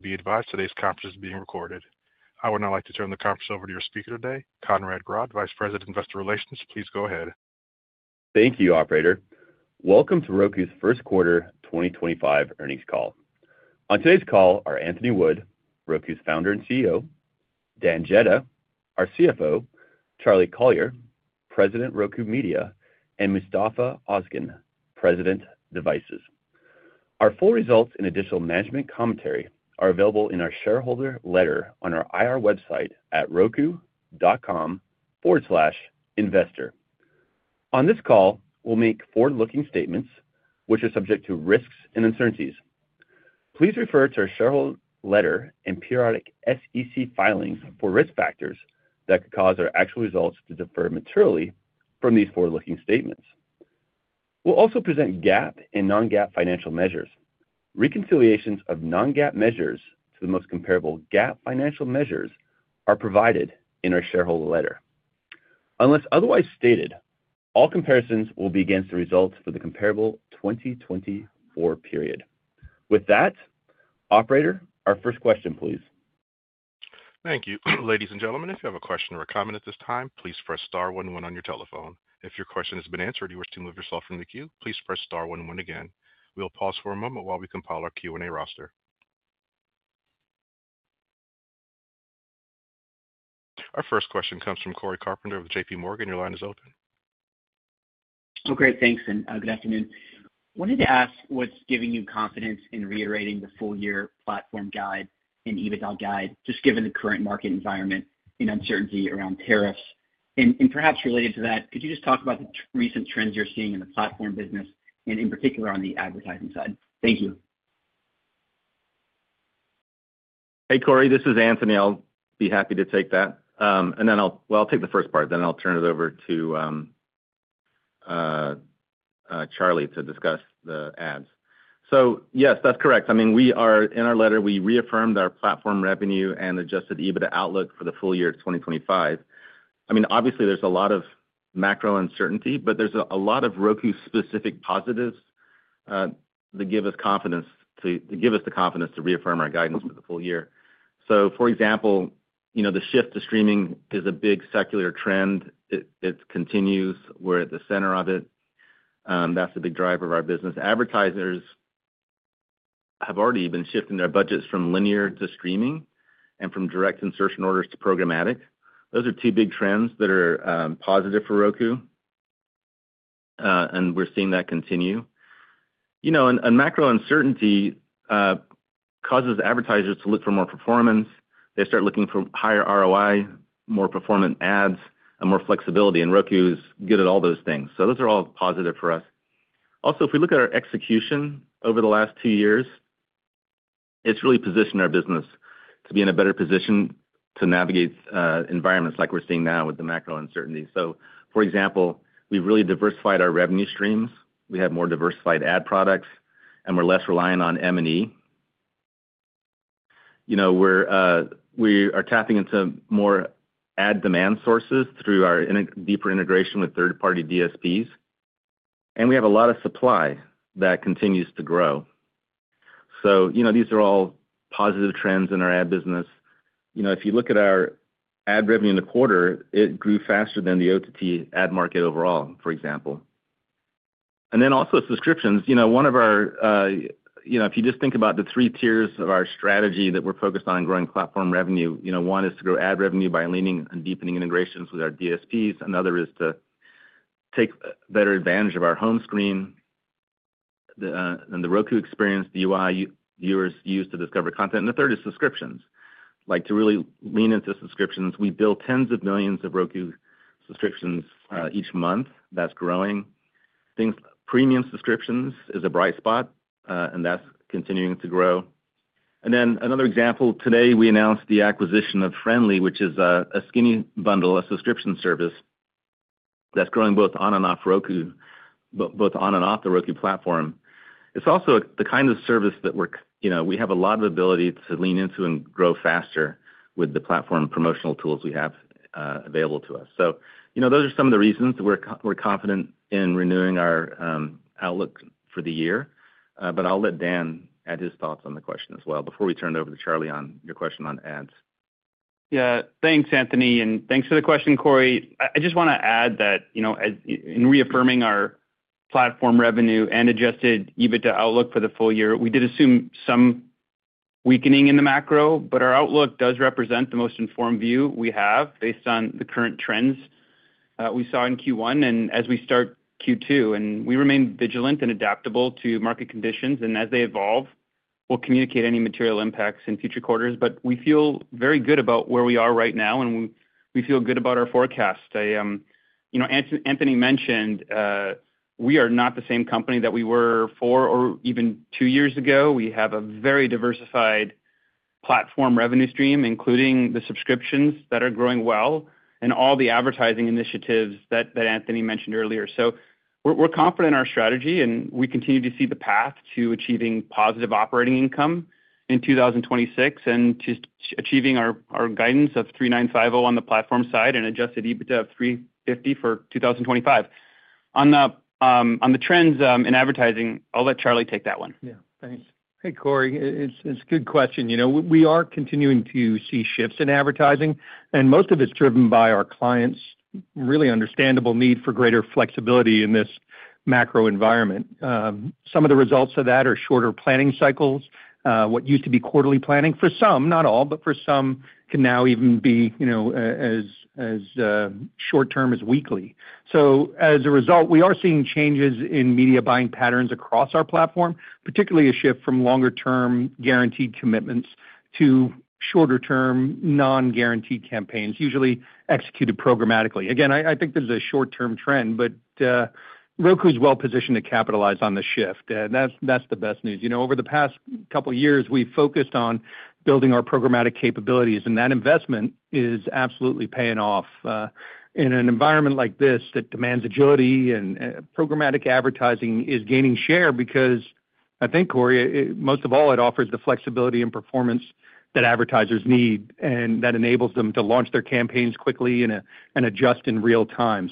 Be advised, today's conference is being recorded. I would now like to turn the conference over to your speaker today, Conrad Grodd, Vice President of Investor Relations. Please go ahead. Thank you, Operator. Welcome to Roku's Q1 2025 earnings call. On today's call are Anthony Wood, Roku's founder and CEO; Dan Jedda, our CFO; Charlie Collier, President Roku Media; and Mustafa Ozgen, President Devices. Our full results and additional management commentary are available in our shareholder letter on our IR website at roku.com/investor. On this call, we'll make forward-looking statements, which are subject to risks and uncertainties. Please refer to our shareholder letter and periodic SEC filings for risk factors that could cause our actual results to differ materially from these forward-looking statements. We'll also present GAAP and non-GAAP financial measures. Reconciliations of non-GAAP measures to the most comparable GAAP financial measures are provided in our shareholder letter. Unless otherwise stated, all comparisons will be against the results for the comparable 2024 period. With that, Operator, our first question, please. Thank you. Ladies and gentlemen, if you have a question or a comment at this time, please press star one one on your telephone. If your question has been answered and you wish to move yourself from the queue, please press star one one again. We'll pause for a moment while we compile our Q&A roster. Our first question comes from Cory Carpenter of JPMorgan. Your line is open. Oh, great. Thanks, and good afternoon. Wanted to ask what's giving you confidence in reiterating the full-year platform guide and EBITDA guide, just given the current market environment and uncertainty around tariffs? Perhaps related to that, could you just talk about the recent trends you're seeing in the platform business, and in particular on the advertising side? Thank you. Hey, Cory, this is Anthony. I'll be happy to take that. I'll take the first part, then I'll turn it over to Charlie to discuss the ads. Yes, that's correct. I mean, we are—in our letter, we reaffirmed our platform revenue and adjusted EBITDA outlook for the full year 2025. I mean, obviously, there's a lot of macro uncertainty, but there's a lot of Roku-specific positives that give us confidence—to give us the confidence to reaffirm our guidance for the full year. For example, the shift to streaming is a big secular trend. It continues. We're at the center of it. That's a big driver of our business. Advertisers have already been shifting their budgets from linear to streaming and from direct insertion orders to programmatic. Those are two big trends that are positive for Roku, and we're seeing that continue. Macro uncertainty causes advertisers to look for more performance. They start looking for higher ROI, more performant ads, and more flexibility. Roku is good at all those things. Those are all positive for us. If we look at our execution over the last two years, it has really positioned our business to be in a better position to navigate environments like we are seeing now with the macro uncertainty. For example, we have really diversified our revenue streams. We have more diversified ad products, and we are less reliant on M&E. We are tapping into more ad demand sources through our deeper integration with third-party DSPs. We have a lot of supply that continues to grow. These are all positive trends in our ad business. If you look at our ad revenue in the quarter, it grew faster than the OTT ad market overall, for example. Then also subscriptions. One of our—if you just think about the three tiers of our strategy that we're focused on in growing platform revenue, one is to grow ad revenue by leaning and deepening integrations with our DSPs. Another is to take better advantage of our home screen and the Roku experience, the UI viewers use to discover content. The third is subscriptions. To really lean into subscriptions, we build tens of millions of Roku subscriptions each month. That's growing. Premium subscriptions is a bright spot, and that's continuing to grow. Another example, today we announced the acquisition of Frndly TV, which is a skinny bundle, a subscription service that's growing both on and off Roku, both on and off the Roku platform. It's also the kind of service that we have a lot of ability to lean into and grow faster with the platform promotional tools we have available to us. Those are some of the reasons that we're confident in renewing our outlook for the year. I'll let Dan add his thoughts on the question as well before we turn it over to Charlie on your question on ads. Yeah. Thanks, Anthony. Thanks for the question, Cory. I just want to add that in reaffirming our platform revenue and adjusted EBITDA outlook for the full year, we did assume some weakening in the macro, but our outlook does represent the most informed view we have based on the current trends we saw in Q1 and as we start Q2. We remain vigilant and adaptable to market conditions. As they evolve, we'll communicate any material impacts in future quarters. We feel very good about where we are right now, and we feel good about our forecast. Anthony mentioned we are not the same company that we were four or even two years ago. We have a very diversified platform revenue stream, including the subscriptions that are growing well and all the advertising initiatives that Anthony mentioned earlier. We're confident in our strategy, and we continue to see the path to achieving positive operating income in 2026 and to achieving our guidance of $3,950 on the platform side and adjusted EBITDA of $350 for 2025. On the trends in advertising, I'll let Charlie take that one. Yeah. Thanks. Hey, Cory. It's a good question. We are continuing to see shifts in advertising, and most of it's driven by our clients' really understandable need for greater flexibility in this macro environment. Some of the results of that are shorter planning cycles. What used to be quarterly planning for some, not all, but for some can now even be as short-term as weekly. As a result, we are seeing changes in media buying patterns across our platform, particularly a shift from longer-term guaranteed commitments to shorter-term non-guaranteed campaigns, usually executed programmatically. I think there's a short-term trend, but Roku is well-positioned to capitalize on the shift. And that's the best news. Over the past couple of years, we've focused on building our programmatic capabilities, and that investment is absolutely paying off. In an environment like this that demands agility, programmatic advertising is gaining share because, I think, Cory, most of all, it offers the flexibility and performance that advertisers need and that enables them to launch their campaigns quickly and adjust in real time.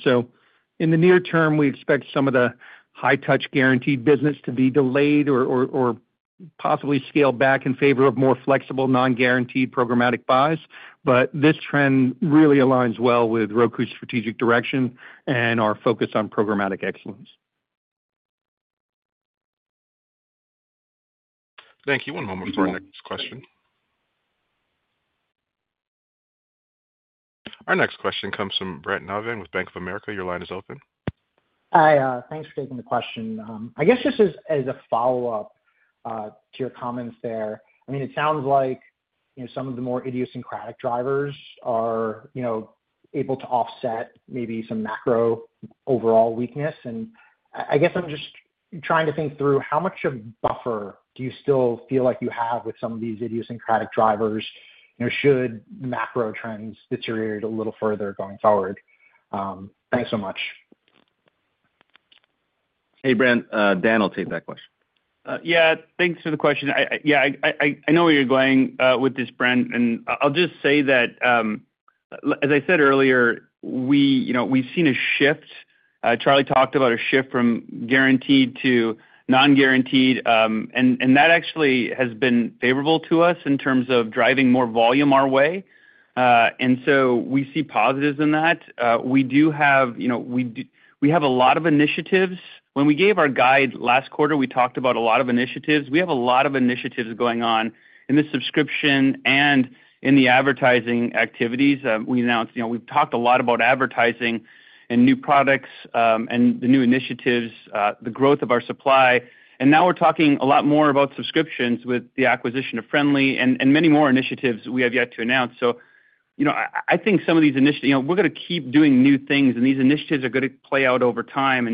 In the near term, we expect some of the high-touch guaranteed business to be delayed or possibly scaled back in favor of more flexible, non-guaranteed programmatic buys. This trend really aligns well with Roku's strategic direction and our focus on programmatic excellence. Thank you. One moment for our next question. Our next question comes from Brent Navon with Bank of America. Your line is open. Hi. Thanks for taking the question. I guess just as a follow-up to your comments there, I mean, it sounds like some of the more idiosyncratic drivers are able to offset maybe some macro overall weakness. I guess I'm just trying to think through how much of a buffer do you still feel like you have with some of these idiosyncratic drivers, should macro trends deteriorate a little further going forward? Thanks so much. Hey, Brent. Dan will take that question. Yeah. Thanks for the question. Yeah, I know where you're going with this, Brent. I'll just say that, as I said earlier, we've seen a shift. Charlie talked about a shift from guaranteed to non-guaranteed. That actually has been favorable to us in terms of driving more volume our way. We see positives in that. We do have a lot of initiatives. When we gave our guide last quarter, we talked about a lot of initiatives. We have a lot of initiatives going on in the subscription and in the advertising activities. We announced we've talked a lot about advertising and new products, and the new initiatives, the growth of our supply. Now we're talking a lot more about subscriptions with the acquisition of Frndly TV and many more initiatives we have yet to announce. I think some of these initiatives, we're going to keep doing new things, and these initiatives are going to play out over time.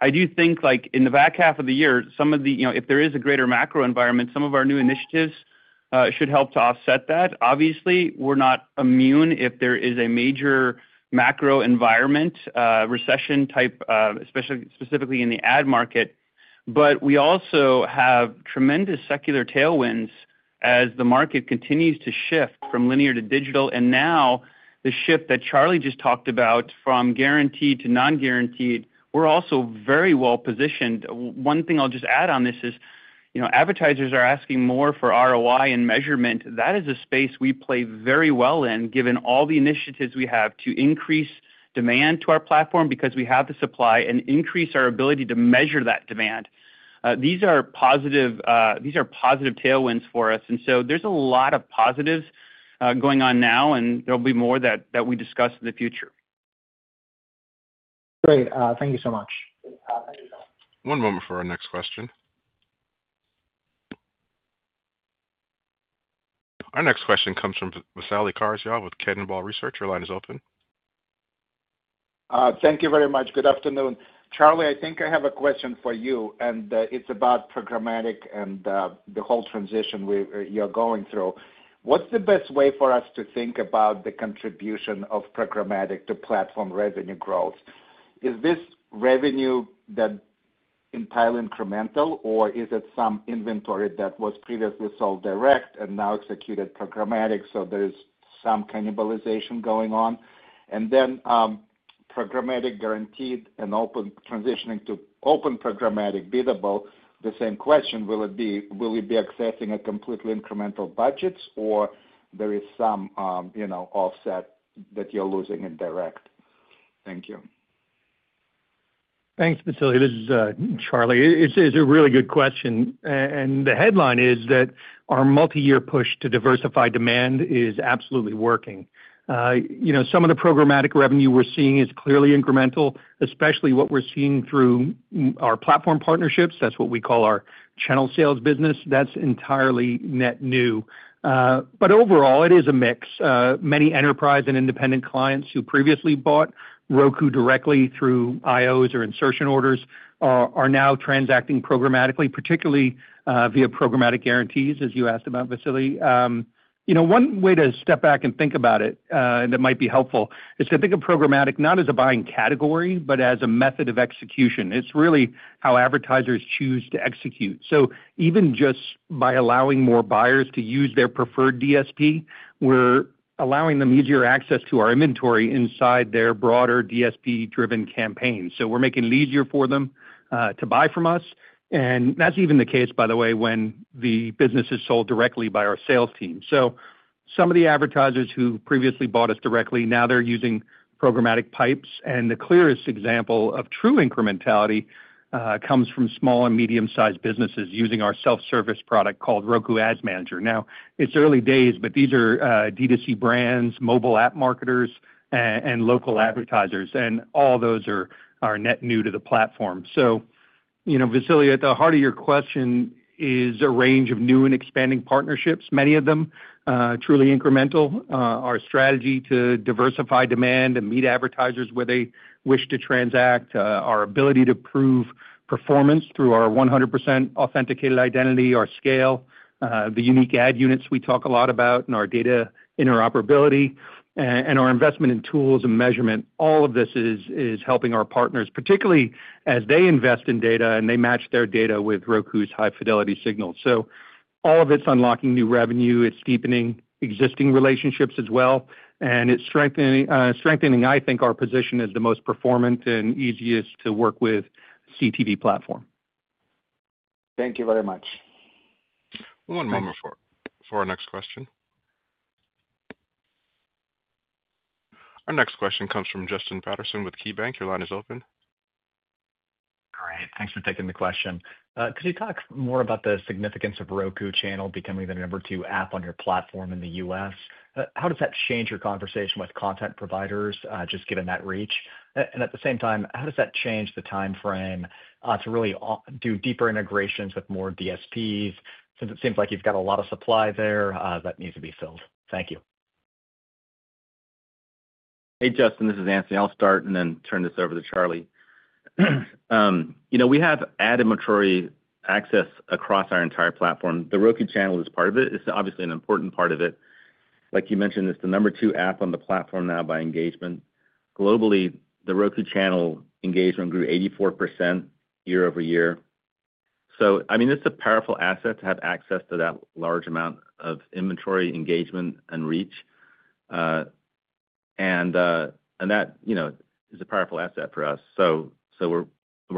I do think in the back half of the year, some of the, if there is a greater macro environment, some of our new initiatives should help to offset that. Obviously, we're not immune if there is a major macro environment, recession-type, especially specifically in the ad market. We also have tremendous secular tailwinds as the market continues to shift from linear to digital. Now, the shift that Charlie just talked about from guaranteed to non-guaranteed, we're also very well positioned. One thing I'll just add on this is advertisers are asking more for ROI and measurement. That is a space we play very well in, given all the initiatives we have to increase demand to our platform because we have the supply and increase our ability to measure that demand. These are positive tailwinds for us. There is a lot of positives going on now, and there will be more that we discuss in the future. Great. Thank you so much. One moment for our next question. Our next question comes from Vasily Karasyov with Cannonball Research. Your line is open. Thank you very much. Good afternoon. Charlie, I think I have a question for you, and it's about programmatic and the whole transition you're going through. What's the best way for us to think about the contribution of programmatic to platform revenue growth? Is this revenue that entirely incremental, or is it some inventory that was previously sold direct and now executed programmatic? There is some cannibalization going on. Programmatic guaranteed and open transitioning to open programmatic biddable, the same question: will it be—will you be accessing a completely incremental budget, or is there some offset that you're losing in direct? Thank you. Thanks, Vasily. This is Charlie. It's a really good question. The headline is that our multi-year push to diversify demand is absolutely working. Some of the programmatic revenue we're seeing is clearly incremental, especially what we're seeing through our platform partnerships. That's what we call our channel sales business. That's entirely net new. Overall, it is a mix. Many enterprise and independent clients who previously bought Roku directly through IOs or insertion orders are now transacting programmatically, particularly via programmatic guarantees, as you asked about, Vasily. One way to step back and think about it, and it might be helpful, is to think of programmatic not as a buying category, but as a method of execution. It's really how advertisers choose to execute. Even just by allowing more buyers to use their preferred DSP, we're allowing them easier access to our inventory inside their broader DSP-driven campaign. We're making it easier for them to buy from us. That's even the case, by the way, when the business is sold directly by our sales team. Some of the advertisers who previously bought us directly, now they're using programmatic pipes. The clearest example of true incrementality comes from small and medium-sized businesses using our self-service product called Roku Ads Manager. It's early days, but these are D2C brands, mobile app marketers, and local advertisers. All those are net new to the platform. Vasily, at the heart of your question is a range of new and expanding partnerships, many of them truly incremental. Our strategy to diversify demand and meet advertisers where they wish to transact, our ability to prove performance through our 100% authenticated identity, our scale, the unique ad units we talk a lot about, and our data interoperability, and our investment in tools and measurement, all of this is helping our partners, particularly as they invest in data and they match their data with Roku's high fidelity signals. All of it's unlocking new revenue. It's deepening existing relationships as well. It's strengthening, I think, our position as the most performant and easiest to work with CTV platform. Thank you very much. One moment for our next question. Our next question comes from Justin Patterson with KeyBanc. Your line is open. Great. Thanks for taking the question. Could you talk more about the significance of Roku Channel becoming the number two app on your platform in the U.S.? How does that change your conversation with content providers, just given that reach? At the same time, how does that change the timeframe to really do deeper integrations with more DSPs, since it seems like you've got a lot of supply there that needs to be filled? Thank you. Hey, Justin. This is Anthony. I'll start and then turn this over to Charlie. We have ad inventory access across our entire platform. The Roku Channel is part of it. It's obviously an important part of it. Like you mentioned, it's the number two app on the platform now by engagement. Globally, the Roku Channel engagement grew 84% year-over-year. I mean, it's a powerful asset to have access to that large amount of inventory engagement and reach. That is a powerful asset for us. We're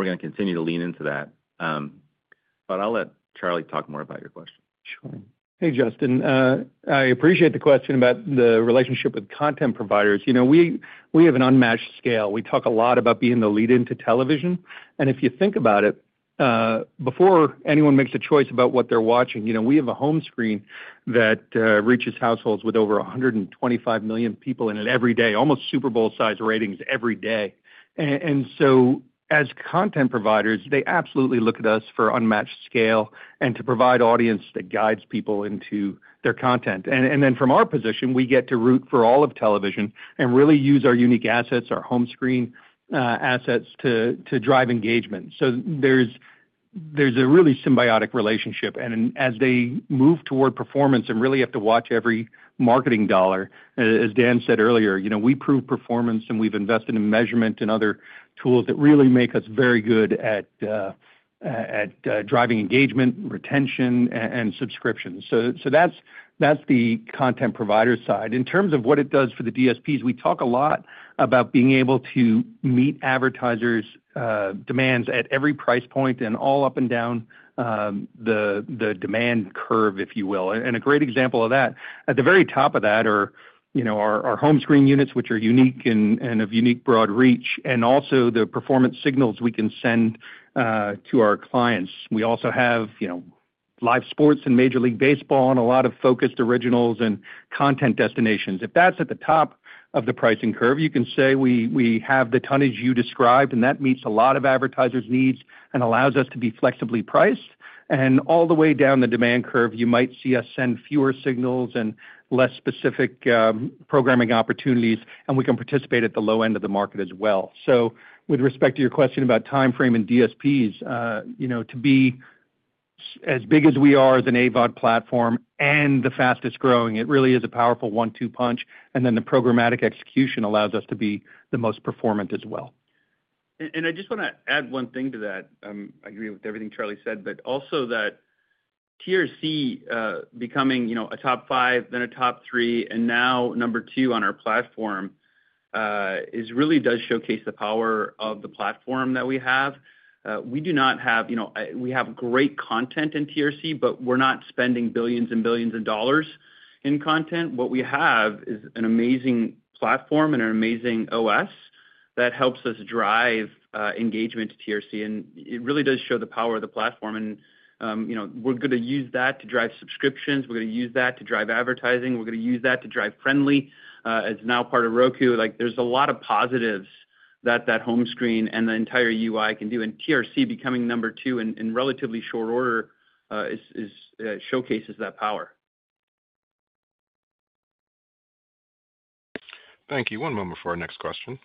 going to continue to lean into that. I'll let Charlie talk more about your question. Sure. Hey, Justin. I appreciate the question about the relationship with content providers. We have an unmatched scale. We talk a lot about being the lead-in to television. If you think about it, before anyone makes a choice about what they're watching, we have a home screen that reaches households with over 125 million people in it every day, almost Super Bowl-sized ratings every day. As content providers, they absolutely look at us for unmatched scale and to provide audience that guides people into their content. From our position, we get to root for all of television and really use our unique assets, our home screen assets, to drive engagement. There is a really symbiotic relationship. As they move toward performance and really have to watch every marketing dollar, as Dan said earlier, we prove performance, and we've invested in measurement and other tools that really make us very good at driving engagement, retention, and subscriptions. That is the content provider side. In terms of what it does for the DSPs, we talk a lot about being able to meet advertisers' demands at every price point and all up and down the demand curve, if you will. A great example of that, at the very top of that, are our home screen units, which are unique and of unique broad reach, and also the performance signals we can send to our clients. We also have live sports and Major League Baseball, and a lot of focused originals and content destinations. If that's at the top of the pricing curve, you can say we have the tonnage you described, and that meets a lot of advertisers' needs and allows us to be flexibly priced. All the way down the demand curve, you might see us send fewer signals and less specific programming opportunities, and we can participate at the low end of the market as well. With respect to your question about timeframe and DSPs, to be as big as we are as an AVOD platform and the fastest growing, it really is a powerful one-two punch. The programmatic execution allows us to be the most performant as well. I just want to add one thing to that. I agree with everything Charlie said, but also that TRC becoming a top five, then a top three, and now number two on our platform really does showcase the power of the platform that we have. We do not have—we have great content in TRC, but we're not spending billions and billions of dollars in content. What we have is an amazing platform and an amazing OS that helps us drive engagement to TRC. It really does show the power of the platform. We're going to use that to drive subscriptions. We're going to use that to drive advertising. We're going to use that to drive Frndly as now part of Roku. There are a lot of positives that that home screen and the entire UI can do. TRC becoming number two in relatively short order showcases that power. Thank you. One moment for our next question.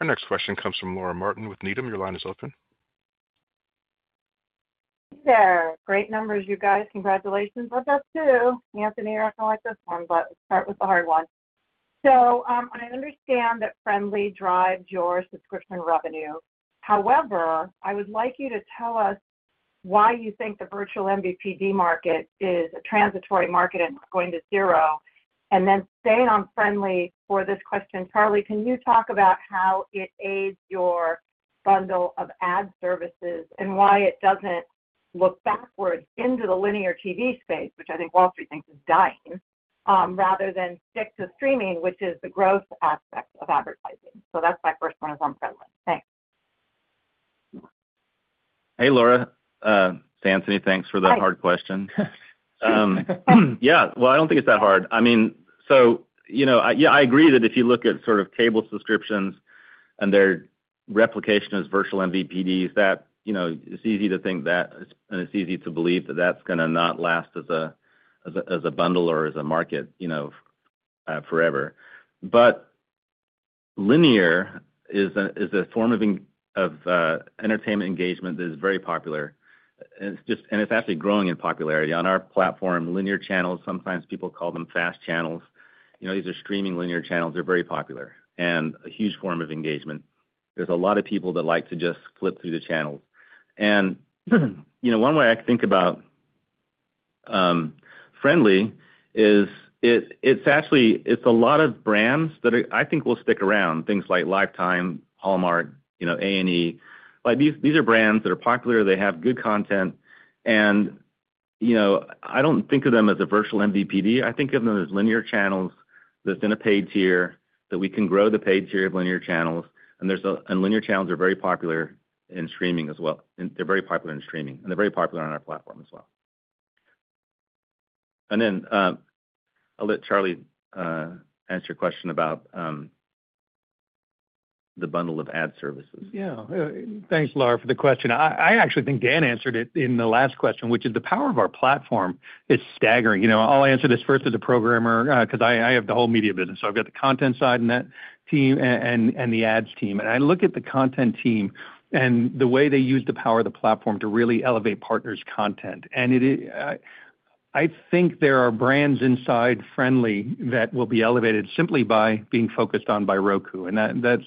Our next question comes from Laura Martin with Needham. Your line is open. Yeah. Great numbers, you guys. Congratulations on that, too. Anthony, you're not going to like this one, but start with the hard one. I understand that Frndly drives your subscription revenue. However, I would like you to tell us why you think the virtual MVPD market is a transitory market and going to zero. Staying on Frndly for this question, Charlie, can you talk about how it aids your bundle of ad services and why it doesn't look backwards into the linear TV space, which I think Wall Street thinks is dying, rather than stick to streaming, which is the growth aspect of advertising? That's my first one is on Frndly. Thanks. Hey, Laura. To Anthony, thanks for that hard question. Yeah. I don't think it's that hard. I mean, yeah, I agree that if you look at sort of cable subscriptions and their replication as virtual MVPDs, it's easy to think that, and it's easy to believe that that's going to not last as a bundle or as a market forever. Linear is a form of entertainment engagement that is very popular. It's actually growing in popularity. On our platform, linear channels, sometimes people call them FAST channels. These are streaming linear channels. They're very popular and a huge form of engagement. There's a lot of people that like to just flip through the channels. One way I think about Frndly is it's actually a lot of brands that I think will stick around, things like Lifetime, Hallmark, A&E. These are brands that are popular. They have good content. I do not think of them as a virtual MVPD. I think of them as linear channels that are in a paid tier that we can grow, the paid tier of linear channels. Linear channels are very popular in streaming as well. They are very popular in streaming, and they are very popular on our platform as well. I will let Charlie answer your question about the bundle of ad services. Yeah. Thanks, Laura, for the question. I actually think Dan answered it in the last question, which is the power of our platform is staggering. I'll answer this first as a programmer because I have the whole media business. I have the content side and that team, and the ads team. I look at the content team and the way they use the power of the platform to really elevate partners' content. I think there are brands inside Frndly that will be elevated simply by being focused on by Roku. That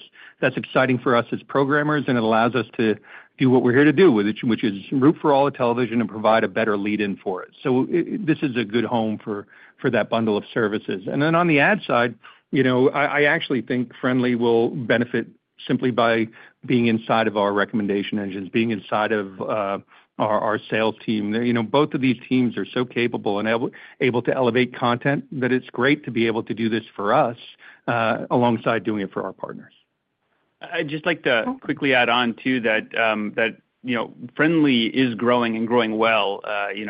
is exciting for us as programmers, and it allows us to do what we're here to do, which is root for all the television and provide a better lead-in for it. This is a good home for that bundle of services. On the ad side, I actually think Frndly will benefit simply by being inside of our recommendation engines, being inside of our sales team. Both of these teams are so capable and able to elevate content that it is great to be able to do this for us alongside doing it for our partners. I'd just like to quickly add on, too that Frndly TV is growing and growing well.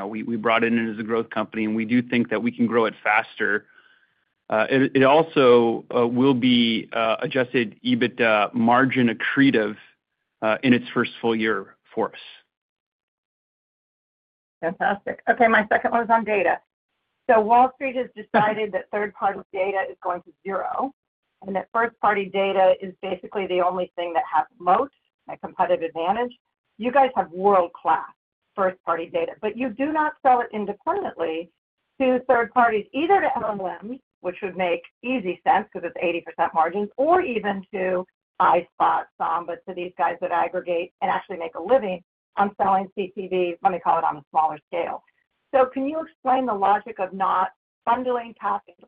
We brought it in as a growth company, and we do think that we can grow it faster. It also will be adjusted EBITDA margin accretive in its first full year for us. Fantastic. Okay. My second one is on data. Wall Street has decided that third-party data is going to zero, and that first-party data is basically the only thing that has most, a competitive advantage. You guys have world-class first-party data, but you do not sell it independently to third parties, either to LLMs, which would make easy sense because it's 80% margins, or even to iSpot, Samba, to these guys that aggregate and actually make a living on selling CTV, let me call it on a smaller scale. Can you explain the logic of not bundling,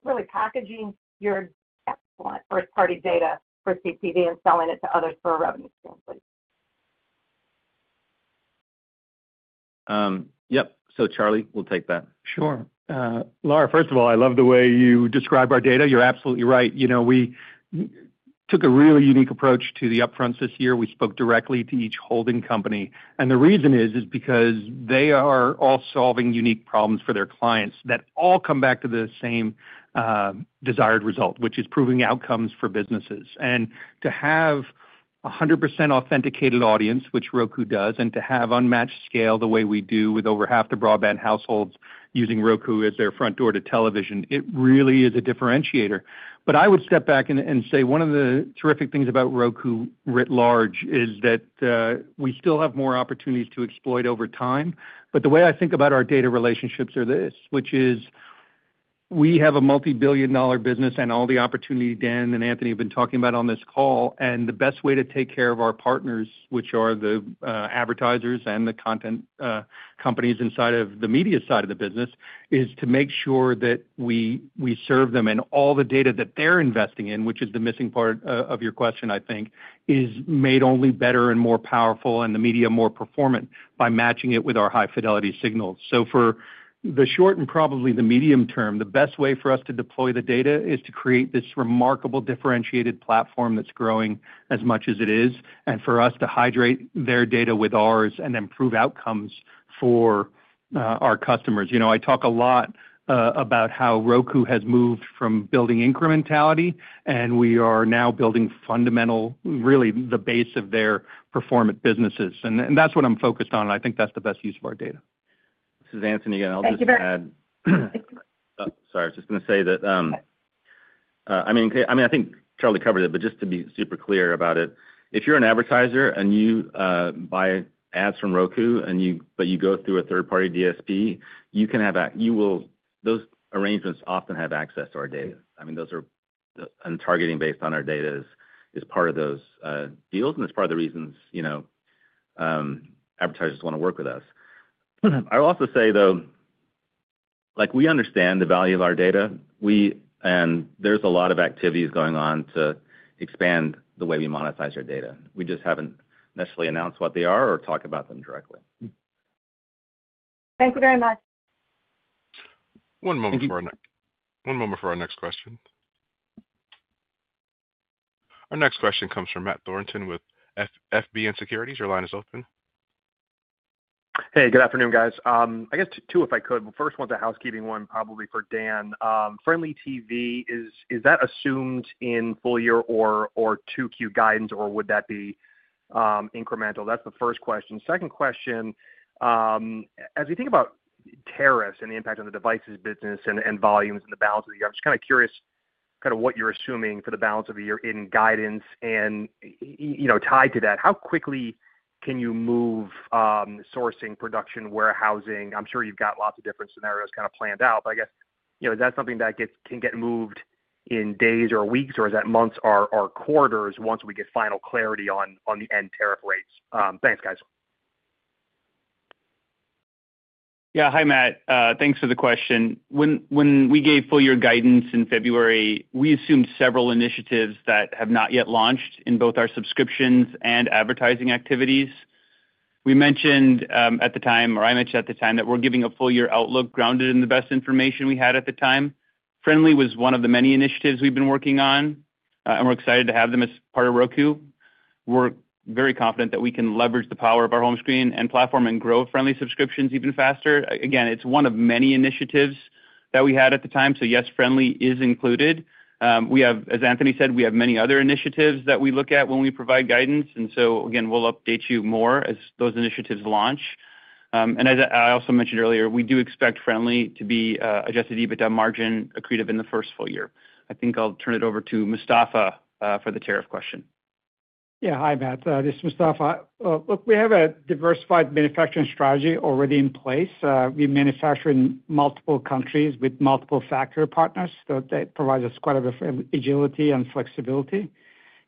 really packaging your excellent first-party data for CTV and selling it to others for a revenue stream, please? Yep. Charlie will take that. Sure. Laura, first of all, I love the way you describe our data. You're absolutely right. We took a really unique approach to the upfronts this year. We spoke directly to each holding company. The reason is because they are all solving unique problems for their clients that all come back to the same desired result, which is proving outcomes for businesses. To have a 100% authenticated audience, which Roku does, and to have unmatched scale the way we do with over half the broadband households using Roku as their front door to television, it really is a differentiator. I would step back and say one of the terrific things about Roku writ large is that we still have more opportunities to exploit over time. The way I think about our data relationships are this which is we have a multi-billion dollar business, and all the opportunity Dan and Anthony have been talking about on this call. The best way to take care of our partners, which are the advertisers and the content companies inside of the media side of the business, is to make sure that we serve them. All the data that they're investing in, which is the missing part of your question, I think, is made only better and more powerful, and the media more performant by matching it with our high fidelity signals. For the short and probably the medium term, the best way for us to deploy the data is to create this remarkable differentiated platform that is growing as much as it is, and for us to hydrate their data with ours and improve outcomes for our customers. I talk a lot about how Roku has moved from building incrementality, and we are now building fundamental, really the base of their performant businesses. That is what I am focused on. I think that is the best use of our data. This is Anthony again. I'll just add. Thank you, Ben. Sorry. I was just going to say that I mean, I think Charlie covered it, but just to be super clear about it, if you're an advertiser and you buy ads from Roku, but you go through a third-party DSP, you can have those arrangements often have access to our data. I mean, and targeting based on our data is part of those deals, and it's part of the reasons advertisers want to work with us. I will also say, though, we understand the value of our data, and there's a lot of activities going on to expand the way we monetize our data. We just haven't necessarily announced what they are or talked about them directly. Thank you very much. One moment for our next question. Our next question comes from Matt Thornton with FBN Securities. Your line is open. Hey, good afternoon, guys. I guess two, if I could. First one's a housekeeping one, probably for Dan. Frndly TV, is that assumed in full year or to Q guidance, or would that be incremental? That's the first question. Second question, as we think about tariffs and the impact on the devices business and volumes and the balance of the year, I'm just kind of curious kind of what you're assuming for the balance of the year in guidance. Tied to that, how quickly can you move sourcing, production, warehousing? I'm sure you've got lots of different scenarios kind of planned out, but I guess is that something that can get moved in days or weeks, or is that months or quarters once we get final clarity on the end tariff rates? Thanks, guys. Yeah. Hi, Matt. Thanks for the question. When we gave full-year guidance in February, we assumed several initiatives that have not yet launched in both our subscriptions and advertising activities. We mentioned at the time, or I mentioned at the time, that we're giving a full-year outlook grounded in the best information we had at the time. Frndly was one of the many initiatives we've been working on, and we're excited to have them as part of Roku. We're very confident that we can leverage the power of our home screen and platform and grow Frndly subscriptions even faster. Again, it's one of many initiatives that we had at the time. Yes, Frndly is included. As Anthony said, we have many other initiatives that we look at when we provide guidance. Again, we'll update you more as those initiatives launch. As I also mentioned earlier, we do expect Frndly to be adjusted EBITDA margin accretive in the first full year. I think I'll turn it over to Mustafa for the tariff question. Yeah. Hi, Matt. This is Mustafa. Look, we have a diversified manufacturing strategy already in place. We manufacture in multiple countries with multiple factory partners. That provides us quite a bit of agility and flexibility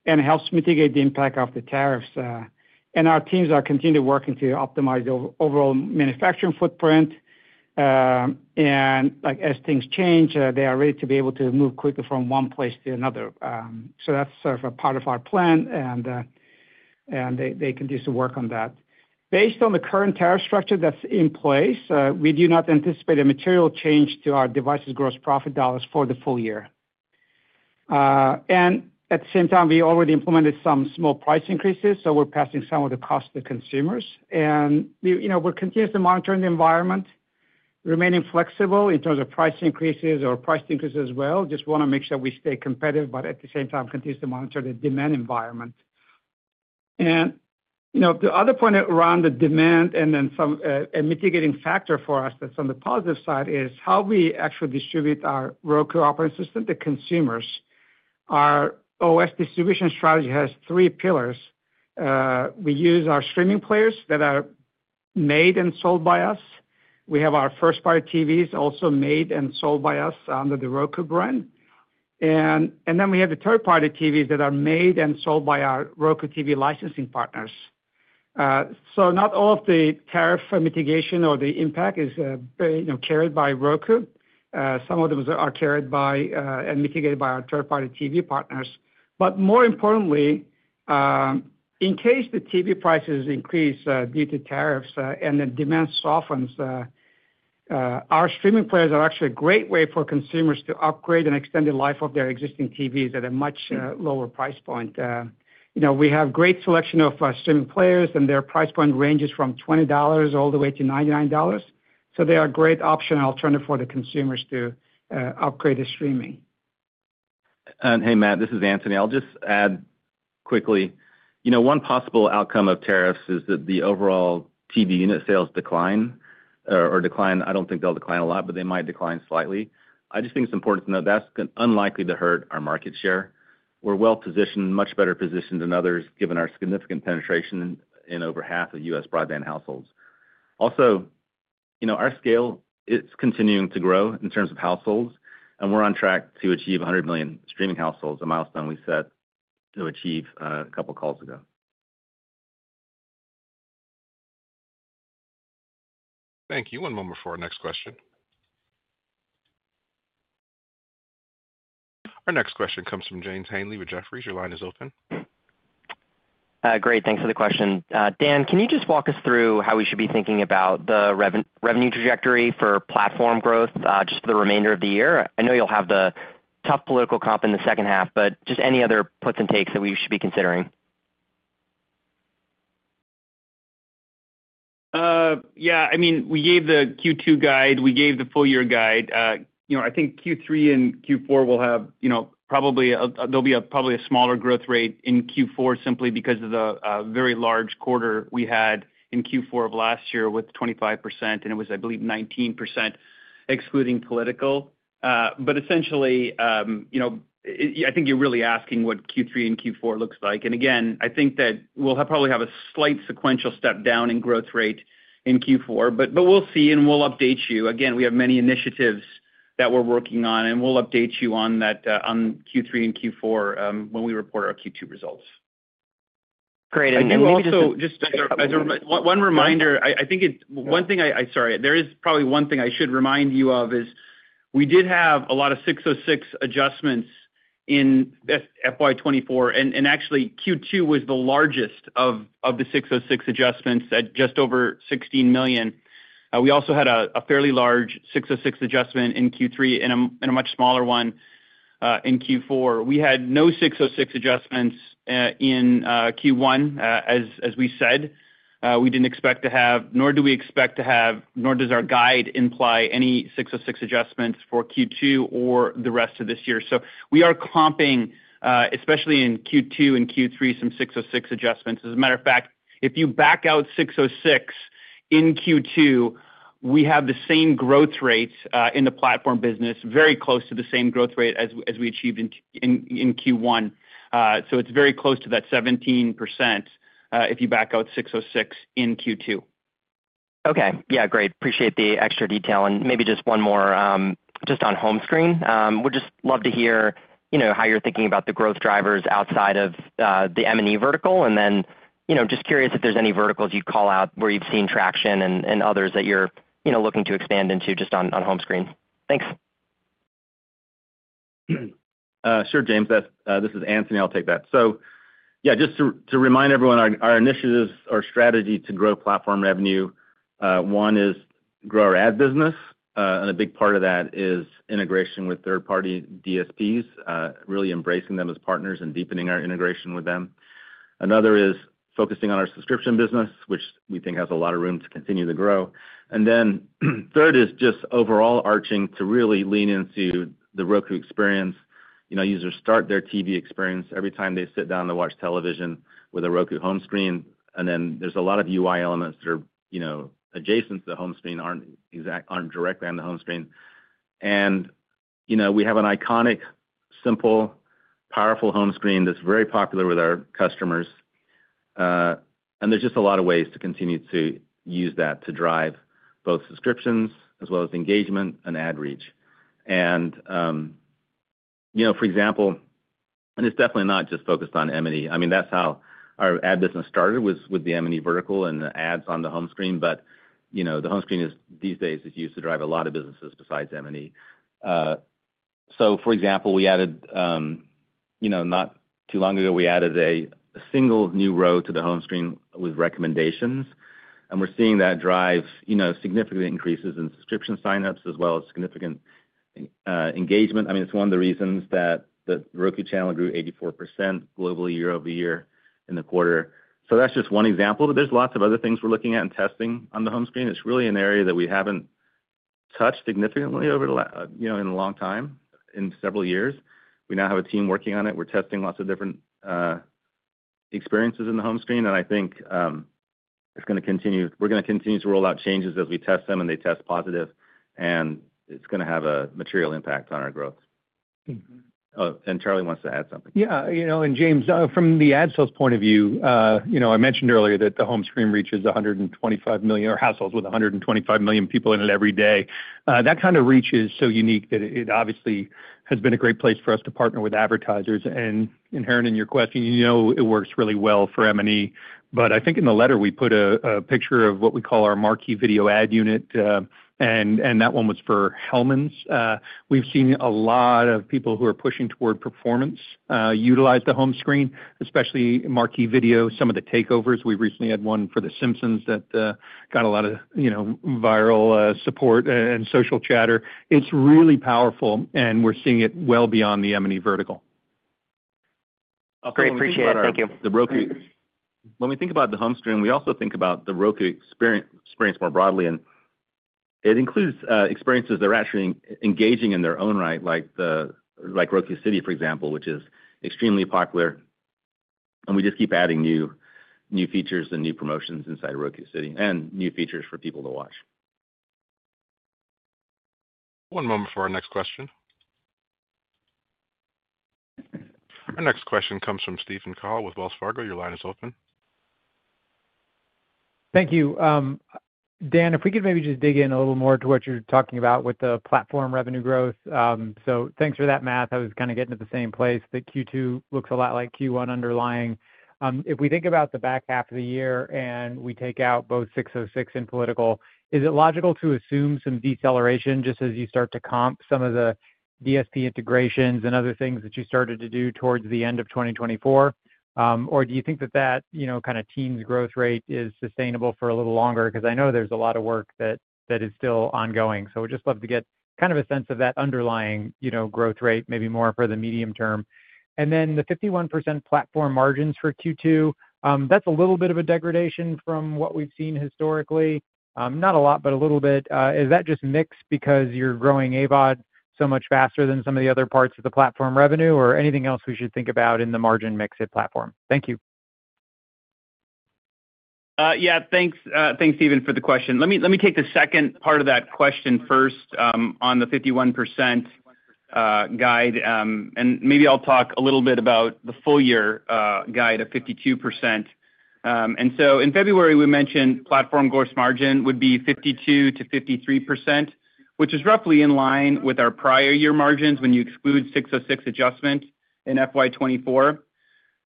and helps mitigate the impact of the tariffs. Our teams are continuing to work to optimize the overall manufacturing footprint. As things change, they are ready to be able to move quickly from one place to another. That is sort of a part of our plan, and they continue to work on that. Based on the current tariff structure that is in place, we do not anticipate a material change to our devices' gross profit dollars for the full year. At the same time, we already implemented some small price increases, so we are passing some of the costs to consumers. We're continuously monitoring the environment, remaining flexible in terms of price increases as well. Just want to make sure we stay competitive, but at the same time, continue to monitor the demand environment. The other point around the demand, and then some mitigating factor for us that's on the positive side, is how we actually distribute our Roku Operating System to consumers. Our OS distribution strategy has three pillars. We use our streaming players that are made and sold by us. We have our first-party TVs also made and sold by us under the Roku brand. Then we have the third-party TVs that are made and sold by our Roku TV licensing partners. Not all of the tariff mitigation or the impact is carried by Roku. Some of them are carried and mitigated by our third-party TV partners. More importantly, in case the TV prices increase due to tariffs and the demand softens, our streaming players are actually a great way for consumers to upgrade and extend the life of their existing TVs at a much lower price point. We have a great selection of streaming players, and their price point ranges from $20 all the way to $99. They are a great option and alternative for the consumers to upgrade the streaming. Hey, Matt. This is Anthony. I'll just add quickly. One possible outcome of tariffs is that the overall TV unit sales decline or decline. I don't think they'll decline a lot, but they might decline slightly. I just think it's important to note that's unlikely to hurt our market share. We're well-positioned, much better positioned than others, given our significant penetration in over half of U.S. broadband households. Also, our scale, it's continuing to grow in terms of households, and we're on track to achieve 100 million streaming households, a milestone we set to achieve a couple of calls ago. Thank you. One moment for our next question. Our next question comes from James Heaney with Jefferies. Your line is open. Great. Thanks for the question. Dan, can you just walk us through how we should be thinking about the revenue trajectory for platform growth just for the remainder of the year? I know you'll have the tough political comp in the second half, but just any other puts and takes that we should be considering. Yeah. I mean, we gave the Q2 guide. We gave the full-year guide. I think Q3 and Q4 will have probably a smaller growth rate in Q4 simply because of the very large quarter we had in Q4 of last year with 25%, and it was, I believe, 19% excluding political. Essentially, I think you're really asking what Q3 and Q4 looks like. Again, I think that we'll probably have a slight sequential step down in growth rate in Q4, but we'll see, and we'll update you. Again, we have many initiatives that we're working on, and we'll update you on that on Q3 and Q4 when we report our Q2 results. Great. Maybe just. Also, just one reminder. I think one thing I—sorry. There is probably one thing I should remind you of is we did have a lot of 606 adjustments in FY2024, and actually, Q2 was the largest of the 606 adjustments at just over $16 million. We also had a fairly large 606 adjustment in Q3 and a much smaller one in Q4. We had no 606 adjustments in Q1, as we said. We did not expect to have, nor do we expect to have, nor does our guide imply any 606 adjustments for Q2 or the rest of this year. We are comping, especially in Q2 and Q3, some 606 adjustments. As a matter of fact, if you back out 606 in Q2, we have the same growth rate in the platform business, very close to the same growth rate as we achieved in Q1. It's very close to that 17% if you back out 606 in Q2. Okay. Yeah. Great. Appreciate the extra detail. Maybe just one more, just on home screen. We'd just love to hear how you're thinking about the growth drivers outside of the M&E vertical, and then just curious if there's any verticals you'd call out where you've seen traction and others that you're looking to expand into just on home screen. Thanks. Sure, James. This is Anthony. I'll take that. Just to remind everyone, our initiatives or strategy to grow platform revenue, one is grow our ad business, and a big part of that is integration with third-party DSPs, really embracing them as partners and deepening our integration with them. Another is focusing on our subscription business, which we think has a lot of room to continue to grow. Third is just overall arching to really lean into the Roku experience. Users start their TV experience every time they sit down to watch television with a Roku home screen, and then there's a lot of UI elements that are adjacent to the home screen, aren't directly on the home screen. We have an iconic, simple, powerful home screen that's very popular with our customers. There are just a lot of ways to continue to use that to drive both subscriptions as well as engagement and ad reach. For example, and it's definitely not just focused on M&E. I mean, that's how our ad business started was with the M&E vertical and the ads on the home screen, but the home screen these days is used to drive a lot of businesses besides M&E. For example, we added not too long ago, we added a single new row to the home screen with recommendations, and we're seeing that drive significant increases in subscription signups as well as significant engagement. I mean, it's one of the reasons that the Roku Channel grew 84% globally year-over-year in the quarter. That's just one example, but there are lots of other things we're looking at and testing on the home screen. It's really an area that we haven't touched significantly over the last, in a long time, in several years. We now have a team working on it. We're testing lots of different experiences in the home screen, and I think it's going to continue. We're going to continue to roll out changes as we test them, and they test positive, and it's going to have a material impact on our growth. Charlie wants to add something. Yeah. James, from the ad sales point of view, I mentioned earlier that the home screen reaches 125 million or households with 125 million people in it every day. That kind of reach is so unique that it obviously has been a great place for us to partner with advertisers. Herman, in your question, you know it works really well for M&E, but I think in the letter we put a picture of what we call our marquee video ad unit, and that one was for Hellmann's. We've seen a lot of people who are pushing toward performance utilize the home screen, especially marquee video. Some of the takeovers we recently had one for The Simpsons that got a lot of viral support and social chatter. It's really powerful, and we're seeing it well beyond the M&E vertical. Great. Appreciate it. Thank you. When we think about the home screen, we also think about the Roku experience more broadly, and it includes experiences that are actually engaging in their own right, like Roku City, for example, which is extremely popular. We just keep adding new features and new promotions inside Roku City and new features for people to watch. One moment for our next question. Our next question comes from Steven Cahall with Wells Fargo. Your line is open. Thank you. Dan, if we could maybe just dig in a little more to what you're talking about with the platform revenue growth. Thank you for that, Matt. I was kind of getting to the same place. The Q2 looks a lot like Q1 underlying. If we think about the back half of the year and we take out both 606 and political, is it logical to assume some deceleration just as you start to comp some of the DSP integrations and other things that you started to do towards the end of 2024? Or do you think that that kind of teens growth rate is sustainable for a little longer? I know there's a lot of work that is still ongoing. We'd just love to get kind of a sense of that underlying growth rate, maybe more for the medium term. The 51% platform margins for Q2 that's a little bit of a degradation from what we've seen historically. Not a lot, but a little bit. Is that just mix because you're growing AVOD so much faster than some of the other parts of the platform revenue, or anything else we should think about in the margin mix at platform? Thank you. Yeah. Thanks, Steven, for the question. Let me take the second part of that question first on the 51% guide, and maybe I'll talk a little bit about the full year guide of 52%. In February, we mentioned platform gross margin would be 52%-53%, which is roughly in line with our prior year margins when you exclude 606 adjustment in 2024.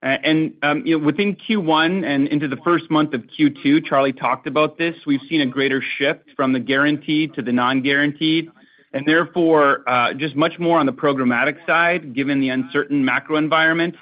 Within Q1 and into the first month of Q2, Charlie talked about this. We've seen a greater shift from the guaranteed to the non-guaranteed. Therefore, just much more on the programmatic side, given the uncertain macro environment,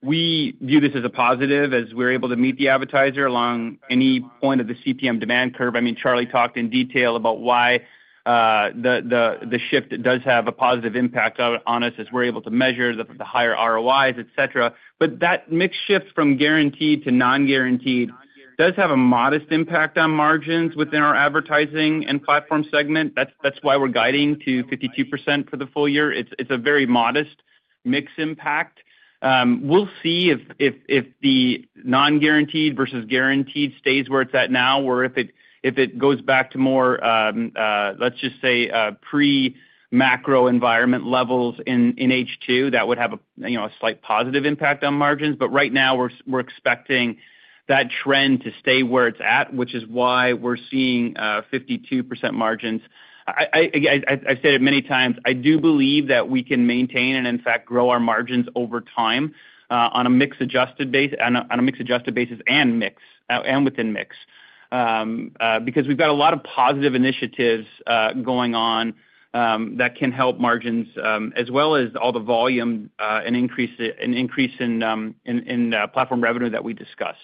we view this as a positive as we're able to meet the advertiser along any point of the CPM demand curve. I mean, Charlie talked in detail about why the shift does have a positive impact on us as we're able to measure the higher ROIs, etc. That mixed shift from guaranteed to non-guaranteed does have a modest impact on margins within our advertising and platform segment. That is why we're guiding to 52% for the full year. It is a very modest mixed impact. We'll see if the non-guaranteed versus guaranteed stays where it's at now, or if it goes back to more, let's just say, pre-macro environment levels in H2, that would have a slight positive impact on margins. Right now, we're expecting that trend to stay where it's at, which is why we're seeing 52% margins. I've said it many times. I do believe that we can maintain and, in fact, grow our margins over time on a mix-adjusted basis and within mix because we've got a lot of positive initiatives going on that can help margins, as well as all the volume and increase in platform revenue that we discussed.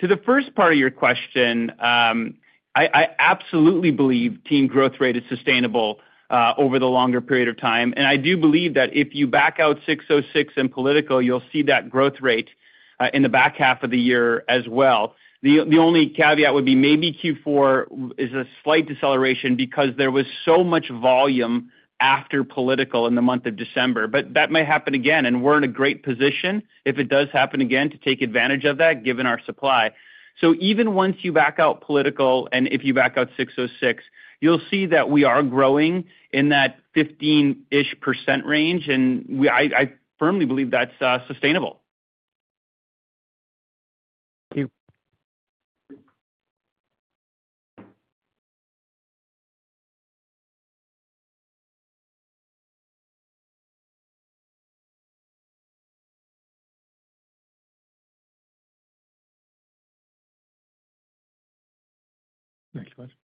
To the first part of your question, I absolutely believe team growth rate is sustainable over the longer period of time. I do believe that if you back out 606 and political, you'll see that growth rate in the back half of the year as well. The only caveat would be maybe Q4 is a slight deceleration because there was so much volume after political in the month of December, but that may happen again, and we're in a great position if it does happen again to take advantage of that, given our supply. Even once you back out political, and if you back out 606, you'll see that we are growing in that 15% range, and I firmly believe that's sustainable. Thank you. Next question.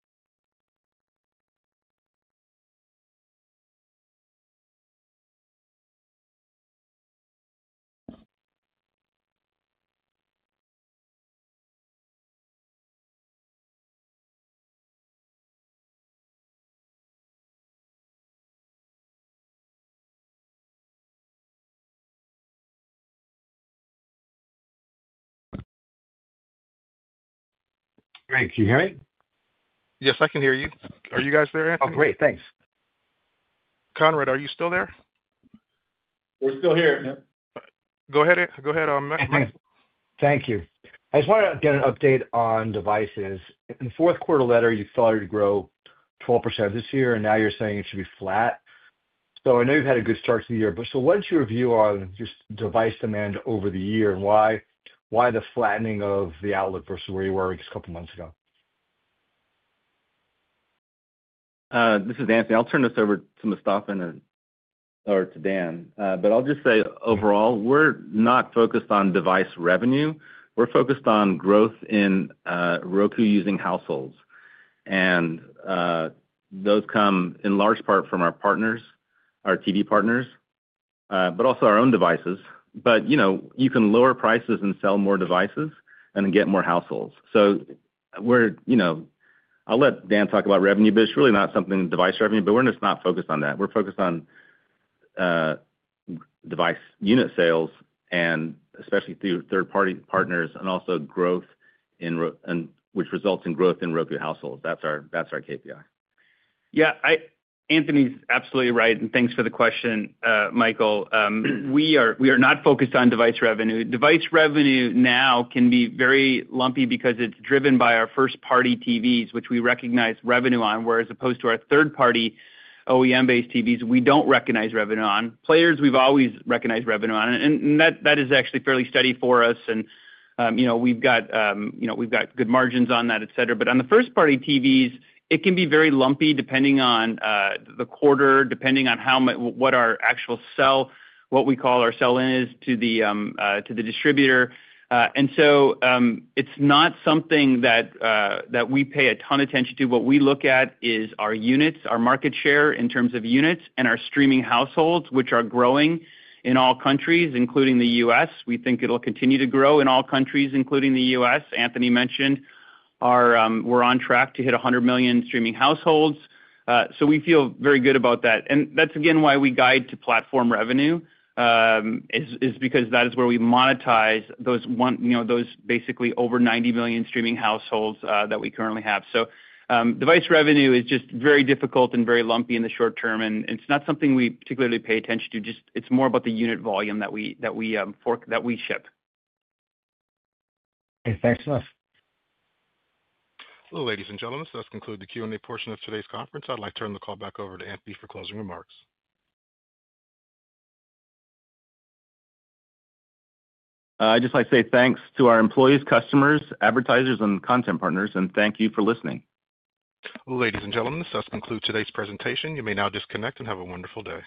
Hey, can you hear me? Yes, I can hear you. Are you guys there, Anthony? Oh, great. Thanks. Conrad, are you still there? We're still here. Go ahead. Go ahead. Thank you. I just wanted to get an update on devices. In the Q4 letter, you saw it grow 12% this year, and now you're saying it should be flat. I know you've had a good start to the year, but what's your view on just device demand over the year and why the flattening of the outlook versus where you were just a couple of months ago? This is Anthony. I'll turn this over to Mustafa and then over to Dan. I'll just say overall, we're not focused on device revenue. We're focused on growth in Roku using households. Those come in large part from our partners, our TV partners, but also our own devices. You can lower prices and sell more devices, and get more households. I'll let Dan talk about revenue, but it's really not something in device revenue. We're just not focused on that. We're focused on device unit sales and especially through third-party partners and also growth, which results in growth in Roku households. That's our KPI. Yeah. Anthony's absolutely right, and thanks for the question, Michael. We are not focused on device revenue. Device revenue now can be very lumpy because it's driven by our first-party TVs, which we recognize revenue on, whereas opposed to our third-party OEM-based TVs, we don't recognize revenue on. Players, we've always recognized revenue on, and that is actually fairly steady for us. We've got good margins on that, etc. On the first-party TVs, it can be very lumpy depending on the quarter, depending on what our actual sell, what we call our sell-in, is to the distributor. It's not something that we pay a ton of attention to. What we look at is our units, our market share in terms of units, and our streaming households, which are growing in all countries, including the U.S. We think it'll continue to grow in all countries, including the U.S. Anthony mentioned we're on track to hit 100 million streaming households. We feel very good about that. That's, again, why we guide to platform revenue, is because that is where we monetize those basically over 90 million streaming households that we currently have. Device revenue is just very difficult and very lumpy in the short term, and it's not something we particularly pay attention to. It's more about the unit volume that we ship. Okay. Thanks, Must. Ladies and gentlemen, that has concluded the Q&A portion of today's conference. I'd like to turn the call back over to Anthony for closing remarks. I'd just like to say thanks to our employees, customers, advertisers, and content partners, and thank you for listening. Ladies and gentlemen, that concludes today's presentation. You may now disconnect and have a wonderful day.